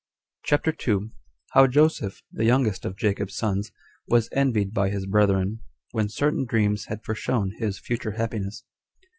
CHAPTER 2. How Joseph, The Youngest Of Jacob's Sons, Was Envied By His Brethren, When Certain Dreams Had Foreshown His Future Happiness.